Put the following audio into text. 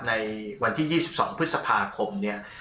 ในวันที่๒๒พฤษภาคมเนี่ย